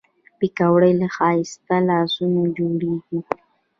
پکورې له ښایسته لاسونو جوړېږي